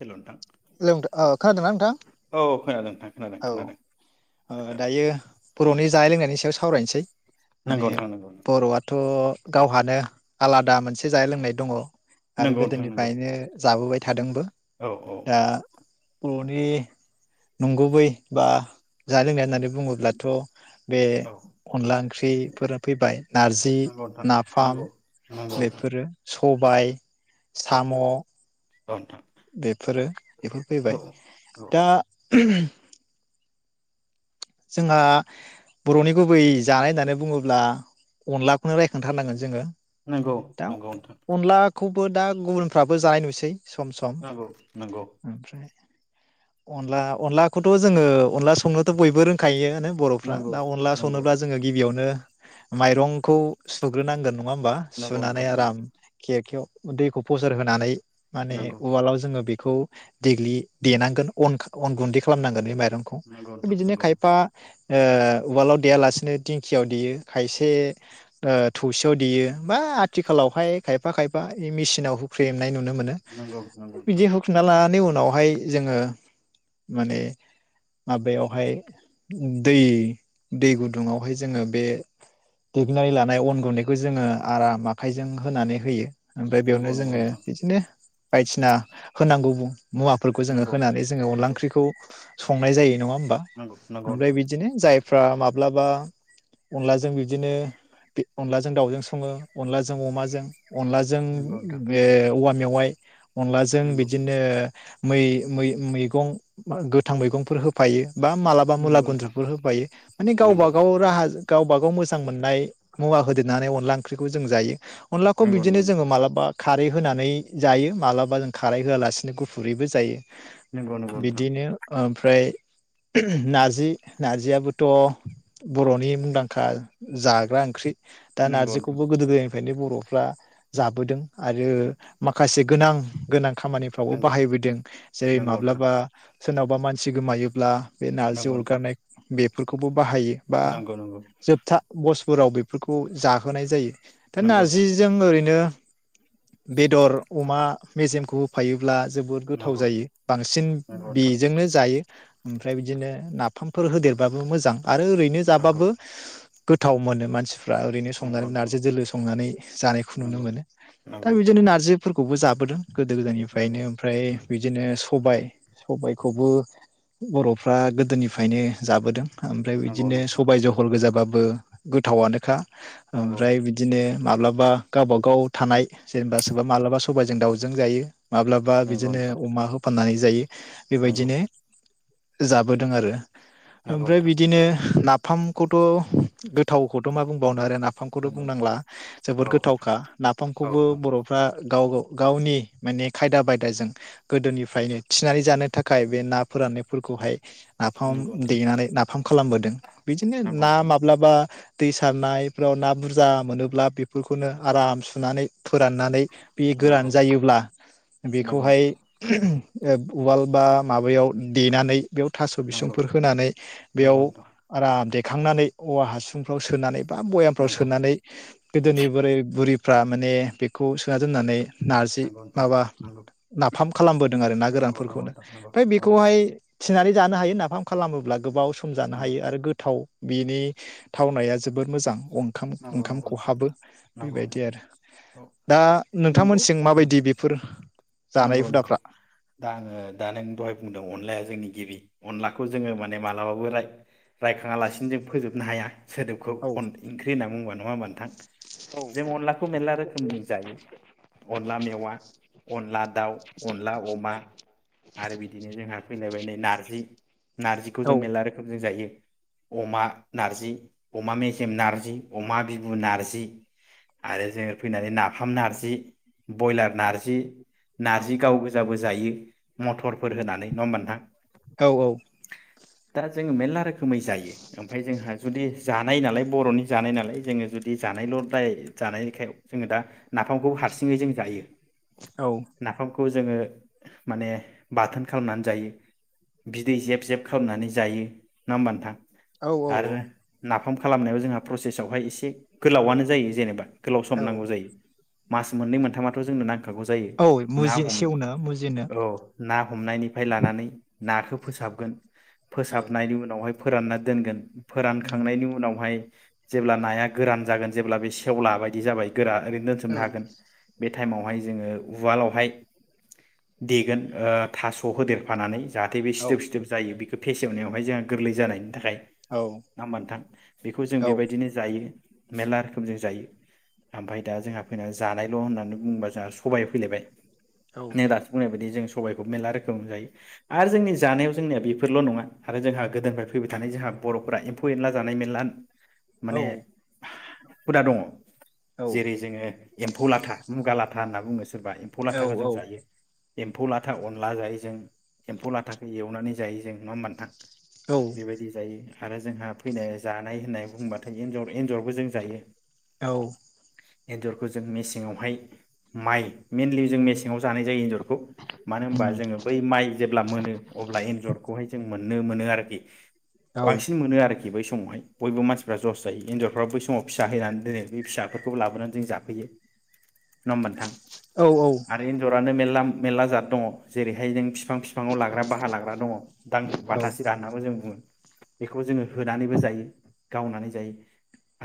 Hello नोंथां hello नोंथां ओ खोनादोंना नोंथां औ खोनादों नोंथां खोनादों औ खोनादों ओ खोनादों दायो बर'नि जानाय लोंनायनि सायाव सावरायनोसै नंगौ माने नोंथां नंगौ बर'आथ' गावहानो आलादा मोनसे जानाय लोंनाय दङ' आरो नंगौ नंगौ नोंथां नंगौ गोदोनिफायनो जाबोबाय थादोंबो औ औ। दा बर'नि नंगुबै बा जानाय लोंनाया जादों बुङोब्लाथ' बे औ अनला ओंख्रिफोरा फैबाय नारजि, नंगौ नोंथां नाफाम नंगौ नंगौ नोंथां। बेफोरो सबाय, औ साम' औ ओनथां। बेफोरो बेफोर फैबाय औ दा [unintelligible] जोंहा बर'नि गुबै जानाय होननानै बुङोब्ला अनलाखौनो रायखांथारनांगोन जोङो नोंगौ नोंगौ नोंथां। खौबो दा गुबुनफ्राबो जानाय नुसै सम सम नंगौ नंगौ ओमफ्राय अनला अनलाखौथ' जोङो अनला संनोथ' बयबो रों खायोनो। बर'फ्रा नंगौ दा अनला संनोब्ला जोङो गिबियावनो माइरंखौ सुग्रोनांगोन नङा होमबा नंगौ नंगौ सुनानै नोंथां आराम केरकायाव दैखौ फ'सार होनानै माने नंगौ उवालाव जोङो बे खौ देग्लि देनांगोन अन खा अन गुन्दै खालामनांगोन बे माइ रंखौ नंगौ बिदिनो खाय ओ उवालाव देयालासिनो दिंखियाव देयो खायसे ओ थौसेयाव देयो बा आथिखालावहाय खायफा खायफा इ मिसिनाव हुख्रेम नाय नुनो मोनो नंगौ नोंथां बिदि हुख्रेमना लानानै उन उनावहाय जोङो माने माबायावहाय दै दै गुदुावहाय जोङो बे देग्लिनानै लानाय अन गुन्दैखौ जोङो आराम आखाइजों होनानै होयो ओमफ्राय नंगौ बेयावनो नंगौ नंगौ जोङो नोंथां बिदिनो बायदिसिना होनांगौ बुं मुवाफोरखौ जोङो नंगौ होनानै जोङो अनला ओंख्रिखौ संनाय जायो नङा नंगौ नं ओमफाय बिदिनो जायफ्रा माबा माब्लाबा अनलाजों बिदिनो अनलाजों दाउजों सङो अनलाजों अमाजों अनलाजों नंगौ नंगौ बे औ मेवाइ अनलाजों नंगौ बिदिनो मै मै मैगं मा गोथां मैगंफोर होफायो बा मा बा मुला नंगौ नोंथां गुनद्रुबो होफायो माने गावब नंगौ गाव राहाजों गावबा गाव मोजां मोननाय मुवा होदेरनानै अनला ओंख्रिखौ जों जायो अनलाखौ नोंथां नंगौ नोंथां नंगौ बिदिनो जोङो नोंथां मालाबा खारै होनानै जायो माब्लाबा जों खारै होआलासिनो गुफुरैबो जायो नंगौ नंगौ नोंथां बिदिनो ओमफ्राय नारजि नारजियाबोथ बरनि मुंदांखा जाग्रा ओंख्रि दा नंगौ नोंथां नारजिखोबो गोदो गोदायनि फ्रायनो बरफ्रा जाबोदों आरो माखासे गोनां गोनां खामानिफ्रावबो नंगौ बाहायबोदों जेरै नंगौ नोंथां माब्लाबा सोरनावबा मानसि गोमायोब्ला बे नारजि नंगौ नोंथां अरगारनाय बेफोरखौबो बाहायो बा नंगौ नंगौ जोबथा बसो फोराव बेफोरखौ जाहोनाय जायो दा नंगौ नारजिजों ओरैनो बेदर अमा मेजेमखौ होफायोब्ला जोबोद गोथाव जायो बांसिन नोंथां बेजोंनो जायो ओमफ्राय बिदिनो नाफामफोर होदेरबाबो मोजां आरो ओरैनो नंगौ जाबाबो गोथाव मोनो मानसिफो रा ओरैनो नंगौ संनानै नार्जि दोलो नोंथां संनानै जानायखौ नुनो नंगौ मोनो दा नंगौ बिदिनो नार्जिफोरखौबो जाबोदों गोदो नंगौ नंगौ गोदायनिफ्रायनो ओमफ्राय बिदिनो सबाय सबायखौबो बरफ्रा गोदोनिफ्रायनो जाबोदों ओमफ्राय नंगौ बिदिनो नोंथां सबाय जहल गोजाबा बो गोथावानोखा नंगौ ओमफ्राय बिदिनो माब्लाबा गावबा गाव थानाय जेनेबा सोरबा माब्लाबा सबायजों दाउजों जायो माब्लाबा नंगौ बिदिनो नोंथां अमा होफा फाननानै जायो नंगौ बेबायदिनो जाबोदों आरो नंगौ ओमफ्राय नोंथां बिदिनो ना फामखौथ गोथावखौथ मा बुंबावनो आरो नाफाम नाफामखौथ नंगौ नंगौ नोंथां नंगौ बुंनांला जोबोद औ गोथावखा नाफामखौबो नोंथां बरफ्रा गाव गाव गावनि माने खायदा बायदाजों गोदोनिफ्रायनो थिनानै जानो थाखाय बे ना फोरानना फोरखौहाय औ नाफाम नोंथां देनानै नाफाम खालामबोदों बिदिनो नंगौ ना नोंथां माब्लाबा दै सारनायफ्राव ना बुरजा मोनोब्ला बेफोरखौनो आराम सुनानै फोराननानै बे गोरान नंगौ जायोब्ला बेखौहाय नोंथां ए उवाल बा माबायाव देनानै बेयाव थास' नंगौ बिसुंफोर होनानै बेयाव नंगौ नोंथां आराम दे खांनानै औवा हासुंफ्राव सोनानै बा भयामफ्राव नंगौ सोनानै गोदोनि बोराय बुरि फ्रा माने बेखौ सोना दोननानै नारजि माबा नाफाम खालामबोदों आरो ना नंगौ गोरानफोरखौनो नोंथां नंगौ नंगौ ओमफाय बे बेखौहाय नोंथां थिनानै जानो हायो ना फाम खालामोब्ला गोबाव सम जानो हायो आरो गोथाव बिनि थावनाया जोबोर मोजां। अंखाम नंगौ ओंखाम नोंथां खहाबो नंगौ नंगौ नोंथां नंगौ बेबायदि आरो औ दा नंगौ नोंथांमोनसिं माबायदि बेफोर जानाय नंगौ नंगौ हुदाफ्रा? दा आङो दा नों दहाय बुंदों अनलाया जोंनि गिबि अनलाखौ जोङो माने मालाबाबो राय रायखाङालासिनो जों फोजोबनो हाया। सोदोबखौ औ अन ओंख्रि होनना बुंबा नङा होनबा नोंथां। औ जों अनलाखौ मेरला रोखोमजों जायो अनला मेवा अनला दाउ अनला अमा आरो बिदिनो जोंहा फैलायबायनाय नै नारजि, नारजिखौ जों मेरला रोखोम जों जायो। अमा नारजि अमा मेजेम नारजि। अमा बिबु नारजि आरो जोङो फैनानै नाफाम नारजि। ब्रयलार नारजि नारजि गाव गोजा बो जा जायो मथरफोर होनानै नङा होमबा नोंथां। औ औ। दा जोङो मेरला रोखोमै जायो ओमफाय जोंहा जुदि जानाय नालाय बर'नि जानाय नालाय जोङो जुदि जानायल दाय जानायनिखाय जोङो दा नाफामखौ हारसिङै जों जायो। औ खौ जोङो माने बाथोन खालामनानै जायो बिदै जेब जेब खालामनानै जायो नङा होमबा नोंथां। आरो औ नाफा म खालामनायाव जोंहा प्रसेसआवहाय एसे गोलावआनो जायो जेनेबा गोलाव सम औ नांगौ जायो। मास मोननै मोनथामाथ' जोंनो नां खागौ जायो औ ना मुजि हम सेवनो मुजिनो औ ना हमनायनिफ्राय लानानै नाखौ फोसाबगोन औ फोसाबनायनि उनावहाय फोरानना दोनगोन। फोरानखांनायनि उनावहाय जेब्ला नाया गोरान जागोन जेब्ला बे सेवला बायदि जाबाय गोरा ओरैनो औ दोनथुमनो हागोन बे टाइमावहाय जोङो उवालावहाय देगोन ओ थास' होदेरफानानै जाहाथे बे औ सिथोब सिदोब जायो बे फेसेवनायावहाय जोंहा गोरलै जानायनि थाखाय औ नङा होमबा नोंथां बेखौ जों औ बेबाय जायो मेरला रोखोम जों जायो ओमफ्राय दा जोंहा फैनानै जानायल' होननानै बुङोबा जोंहा सबायाइ फैलायबाय औ नो दासो बुंनाय बायदि जों सबायखौ मेरला रोखोम जायो आरो जोंनि जानायाव जोंनिया बेफोरल' नङा आरो जोंहा गोदोनिफ्राय फैबाय थानाय जोंहा बर'फोरा एम्फौ एनला जानाय मेरला औ माने हुदा दङ। औ जेरै जोङो एम्फौ लाथा मुगा लाथा होनना बुंङो सो रबा एम्फौ ला थाखाखौ जों जायो। एम्फौ लाथा अनला जायो जों एम्फौ लाथाखौ एवनानै जायो जों नङा होमबा नोंथां। औ बेबायदि जायो। आरो जोंहा फैनो जानाय होननाय बुंबा थाय एर एन्जरबो जों जायो। औ एनजरखौ जों मेसेंवाहाय माइ मेइनलि जों मेसेंवा जानाय जायो एजर खौ मानो होनबा उम जोङो बै माइ जेब्ला मोनो अब्ला एन्जरखौहाय जों मोननो मोनो आरोखि। औ बांसिन मोनो आरोखि बै सम समावहाय बयबो मानसि फोरा जस जायो एन्जरफ्रा बै समाव फिसा हैनानै दोनै बे फिसाफोरखौबो लाबोनानै जों जाफैयो नङा होनबा नोंथां। औ आरो एन्जरानो मेरल लाम मेरला जाद दङ जेरैहाय जों फि बिफां बिफांव लाग्रा बारा लाग्रा दङ दां बाथा सिरा होन्नानैबो जों बुङो बेखौ जोङो होनानैबो जायो गावनानै जायो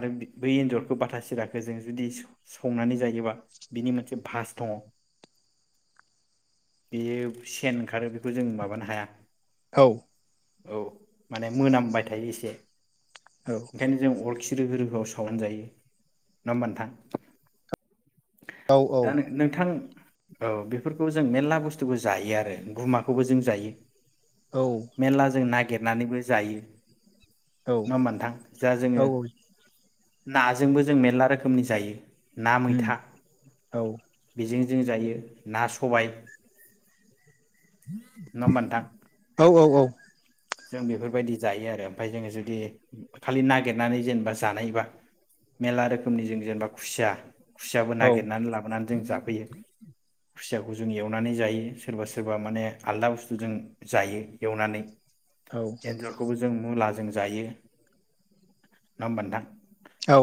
आरो बै एन्जरखौ बाथा सिराखौ जों जुदि संनानै जायोबा बिनि मोनसे भास दङ बेयो सेन ओंखारो बेखौ जों माबानो हाया औ औ माने मोनामबाय थायो एसे ओखायनो जों अरखि रोहो रोहोआव सावना जायो नङा होमब नोंथां दा औ नों-नोंथां औ बेफोरखौ जों मेर्ला बुस्थुखौ जायो आरो गुमाखौबो जों जायो मेरला जों ना नानैबो जायो न होमबा नोंथां? जा जोङो नाजोंबो जों मेरला रोखोमनि जायो ना मैथा बिजों जों जायो ना सबाय नङा होमबा नोंथां जों बेफोरबायदि जायो आरो ओमफ्राय जोङो जुदि खालि नागिरनानै जेनेबा जानायबा मेरला रोखोमनि जों जेनेबा खुसिया खुसियाबो नागिरनानै लाबोनानै जों जाफैयो खुसियाखौ जों एवनानै जायो सोरबा सोरबा माने आलदा बुस्थुजों जायो एवनानै एन्जरखौबो जों मुलाज जों जायो नङा होमबा नोंथां? औ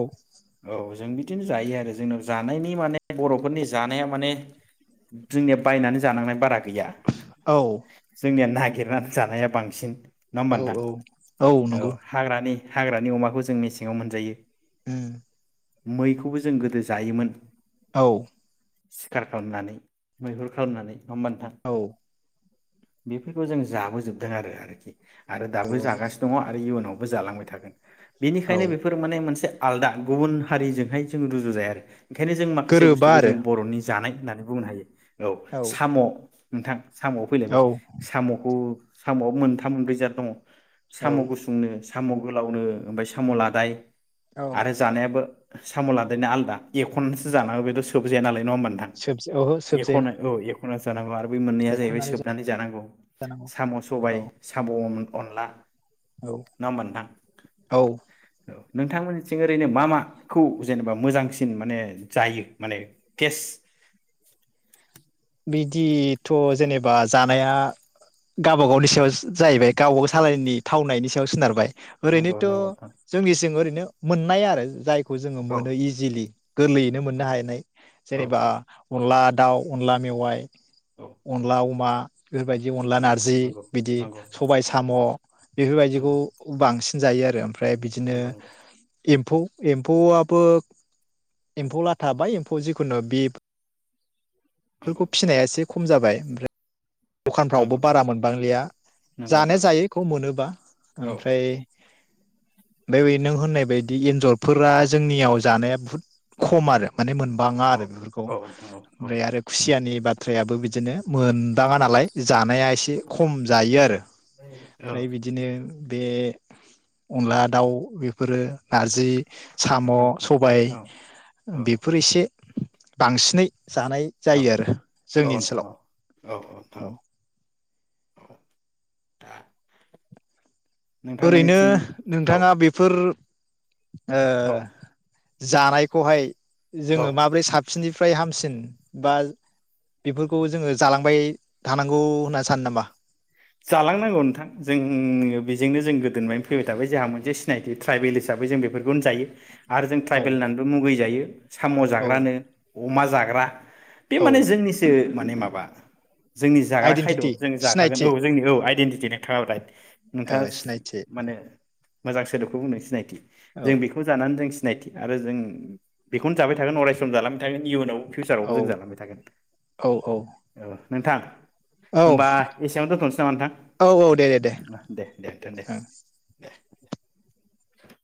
औ जों बिदिनो जायो आरो जोंनाव जानायनि माने बर'फोरनि जानाया माने जोंनिया बायनानै जानांनाय बारा गैया औ जोंनिया नाय गिरना जानाया बां सिन नङा होमबा नोंथां औ औ हाग्रानि हाग्रानि अमाखौ जों मेसेङाव मोनजायो उम मैखौबो जों गोदो जायोमोन औ सिखार खालामनानै मैहुर खालामनानै नङा होमबा नोंथां? औ बेफोरखौ जों जाबोजोबदों आरो [inaudible] आरो दाबो औ जागासिनो दंङ आरो इयुनाव बो जालांबाय थागोन औ बिनिखायनो बेफोर माने मोनसे आलादा गुबुन हारिजोंहाय जों रुजु जाया आरो ओंखायनो जों माखासे गोरोबा बुस्थुखौ जों आरो बर'नि जानाय होननानै बुंनो हायो। औ साम' नोंथां साम'आव फैलायबाय औ साम'खौ साम' मोनदों थामरोजा दंङ। साम' औ गुसुंनो साम' गोलावनो ओमफ्राय साम' लादाय औ आरो जानायाबो साम' लादायना आलदा एख'नासो जानांगौ बेथ' सोबजाया नालाय नंङा होनबा नोंथां सोब ओहो सोबजाया एखनो औ एख' एख' ना जानांगौ आरो बबे मोननैया जाहैबाय एरख'नानै सोबनानै जानांगौ जानांगौ साम' सबाय औ साम' अनला औ नङा होमबा नोंथां औ औ नोंथांमोननिथिं ओरैनो मा माखौ जेनेबा मोजांसिन माने जायो माने केस बिदिथ' जेनेबा जानाया गावबा गावनि सायाव जाहैबाय गावबागावनि सालायनि थावनायनि सायाव सोनारबाय नंगौ ओरैनोथ' नंगौ नोंथां जोंनि सिं ओरै मोननाय आरो जाय खौ जोंङो औ मोननो इजिलि गोरलैयैनो मोनो औ हानाय औ जेनेबा औ अनला दाव अनला मेवाइ अनला अमा बेफोरबायदि अनला नंगौ नारजि नंगौ बिदि नंगौ नोंथां सबाय नंगौ साम' बेफोरबायदिखौ बांसिन जायो आरो ओमफ्राय नंगौ बिदिनो एम्फौ एम्फौआबो एम्फौ लाथा बाय एम्फौ जिखुनु बि बैखौ नंगौ फिसिननायासो खम जाबाय ओमफ्राय द'खानफ्रावबो नंगौ नंगौ नोंथां बारा मोनबांलिया नंगौ जानाया नोंथां जायो बेखौ मोनोबा औ ओमफ्राय बेयो नों होननाय बायदि एन्जरफोरा जोंनियाव जानाया बहुद खम आरो माने मोनबाङा औ आरो बेफोरखौ औ नोंथां ओमफ्राय आरो खुसियानि बाथ्राबो बिदि बिदिनो मोन दाङा नालाय जानाया एसे खम जायो आरो औ औ ओमफ्राय बिदिनो बे अनला औ दाउ बेफोरो नारजि साम' औ नोंथां सबाय औ औ बेफोर एसे बांसिनै जानाय औ जायो आरो जोंनि नोंथां ओनसोलाव। औ। दा ओरैनो नोंथाङा बेफोर ओ औ जानायखौहाय जोङो माब्रै साबसिननि फ्राय हामसिन बा बेफोरखौ जोङो जालांबाय थानांगौ होनना सानो नामा? जालांनांगौ नोंथां जों बेजोंनो जों गोदोनिफ्रायनो फैबाय थाबाय जोंहा मोनसे सिनायथि ट्राइबेल हिसाबै जों बेफोरखौनो जायो आरो जों औ ट्राइबेल होननानैबो मुगैजायो। साम' औ जाग्रानो। अमा जाग्रा। बे औ माने जोंनिसो माने माबा बा। जोंनि जाग्रा खायद आइडेन्टिटि जों जाग्रा सिनायथि औ जोंनि औ आइडेन्टिटि नाइ ओ नोंथाङा सिनायथि माने मोजां सोदोबखौ बुंनो सिनायथि औ जों बेखौ जानानै जों। सिनायथि आरो जों बेखौनो जाबाय थागोन अरायसम जालांबाय थागोन इयुनाव। फिउसारावबो औ जों जालांबाय थागोन औ। नोंथां। औ। बेसेयाव दोनथ'नोसै नामा नोंथां औ औ दे दे दे दे नोंथां दे। ओं दे दे।